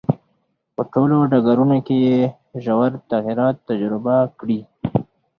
په ټولو ډګرونو کې یې ژور تغییرات تجربه کړي.